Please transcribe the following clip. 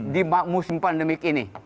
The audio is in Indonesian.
di musim pandemik ini